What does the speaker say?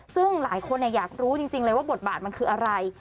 ซึ่งหลายคนอยากรู้จริงเลยว่าบทบาทมันคืออะไร